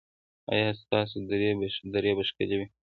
ایا ستاسو درې به ښکلې وي؟